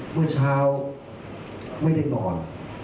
เมื่อเช้าไม่ได้นอน